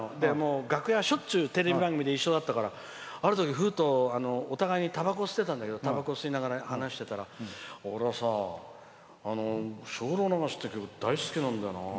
楽屋、しょっちゅうテレビ番組で一緒だったからあるとき、ふっと一緒にたばこを吸ってたんだけど吸いながら話してたら俺さ「精霊流し」っていう曲大好きなんだよね